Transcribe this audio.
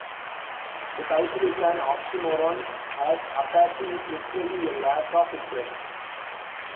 The title is an oxymoron as apathy is literally a "lack of interest".